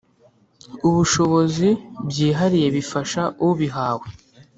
ubushobozi byihariye bifasha ubihawe